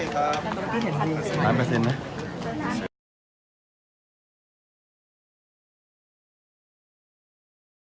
ขอบคุณมากนะครับ